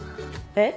えっ？